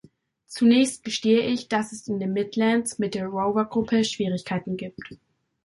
Zunächst gestehe ich, dass es in den Midlands mit der Rover-Gruppe Schwierigkeiten gibt.